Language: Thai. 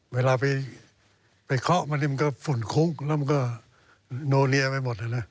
เวลาไปเคาะมันก็ฝุ่นคุ้งแล้วมันก็โนเนียไปหมด